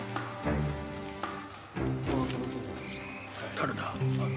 誰だ？